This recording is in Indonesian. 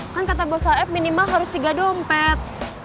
kan kata bos af minimal harus tiga dompet